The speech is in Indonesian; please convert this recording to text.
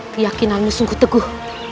keyakinanmu sungguh teguh